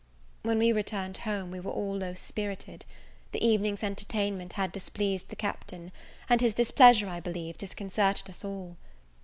When we returned home, we were all low spirited. The evening's entertainment had displeased the Captain; and his displeasure, I believe, disconcerted us all.